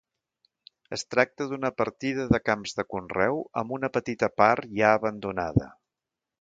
Es tracta d'una partida de camps de conreu, amb una petita part ja abandonada.